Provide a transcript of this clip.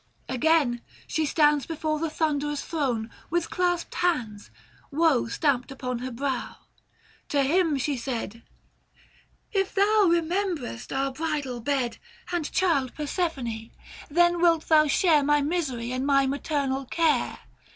Again she stands Before the Thunderer's throne, with clasped hands, Woe stampt upon her brow. To him she said, 665 " If thou rememberest our bridal bed And child Persephone, then wilt thou share My misery and my maternal care.